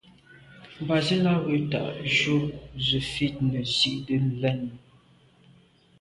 Mbàzīlā rə̌ tà' jú zə̄ fít nə̀ zí'’ə́ lɛ̂n.